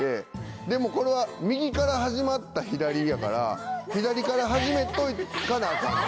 でもこれは右から始まった左やから左から始めとかなアカン。